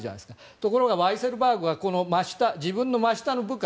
ところがワイセルバーグは自分の真下の部下。